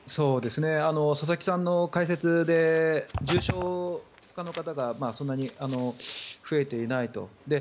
佐々木さんの解説で重症化の方がそんなに増えていないと。